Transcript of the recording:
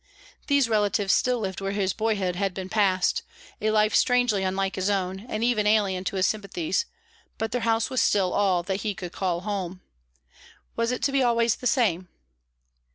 These relatives still lived where his boyhood had been passed, a life strangely unlike his own, and even alien to his sympathies, but their house was still all that he could call home. Was it to be always the same?